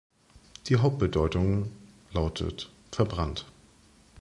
Die Hauptbedeutung lautet „verbrannt“.